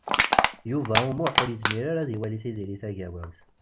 Yuba U Muḥ ur yezmir ara ad iwali Tiziri Tagawawt.